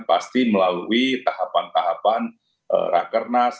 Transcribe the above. pasti melalui tahapan tahapan rakernas